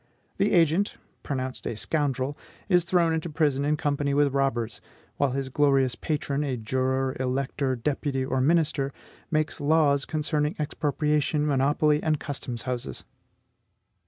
The agent, pronounced a scoundrel, is thrown into prison in company with robbers; while his glorious patron, a juror, elector, deputy, or minister, makes laws concerning expropriation, monopoly, and custom houses!